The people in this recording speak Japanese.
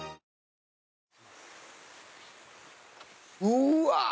うわ！